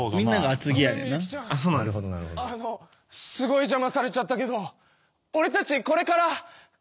すごい邪魔されちゃったけど俺たちこれから。